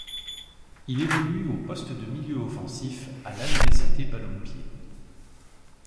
Il évolue au poste de milieu offensif à l'Albacete Balompié.